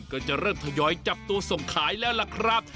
ก็จะเริ่มทยอยจับตัวส่งขายแล้วล่ะครับ